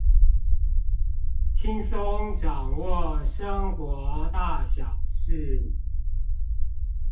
輕鬆掌握生活大小事